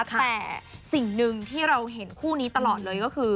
แต่สิ่งหนึ่งที่เราเห็นคู่นี้ตลอดเลยก็คือ